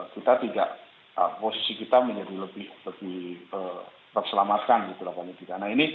kita tidak posisi kita menjadi lebih terselamatkan gitu lakukan di sana